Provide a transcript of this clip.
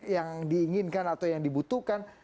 yang diinginkan atau yang dibutuhkan